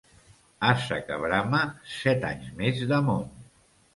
Ase que brama, set anys més de món.